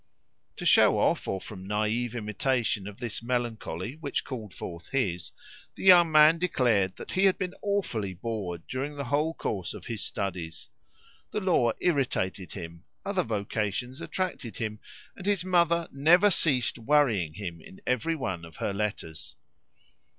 To show off, or from a naive imitation of this melancholy which called forth his, the young man declared that he had been awfully bored during the whole course of his studies. The law irritated him, other vocations attracted him, and his mother never ceased worrying him in every one of her letters.